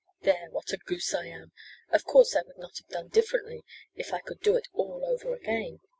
"There! What a goose I am! Of course I would not have done differently if I could do it all over again.